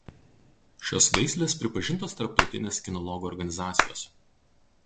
Šios veislės pripažintos Tarptautinės kinologų organizacijos.